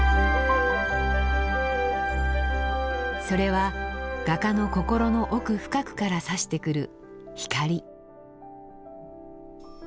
それは画家の心の奥深くからさしてくる光。